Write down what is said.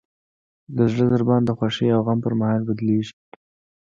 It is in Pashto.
د زړه ضربان د خوښۍ او غم پر مهال بدلېږي.